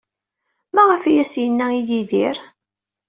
Maɣef ay as-yenna i Yidir?